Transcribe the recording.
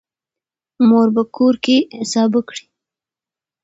مور په کور کې سابه کري.